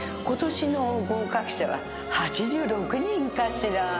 ことしの合格者は８６人かしら。